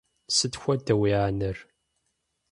Сыт хуэдэ уи анэр?